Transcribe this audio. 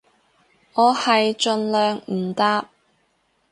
我係盡量唔搭